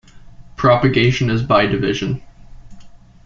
Propagation is by division.